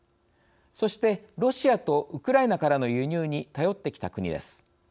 そして、ロシアとウクライナからの輸入に頼ってきた国です。